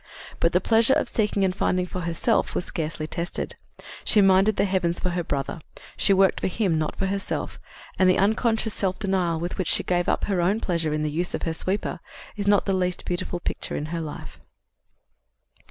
But the pleasure of seeking and finding for herself was scarcely tested. She 'minded the heavens' for her brother; she worked for him, not for herself, and the unconscious self denial with which she gave up 'her own pleasure in the use of her sweeper' is not the least beautiful picture in her life."